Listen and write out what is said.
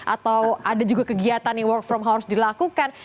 atau ada juga kegiatan yang work from ho harus dilakukan